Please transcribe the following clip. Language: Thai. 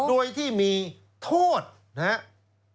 โดยที่มีโทษนะฮะ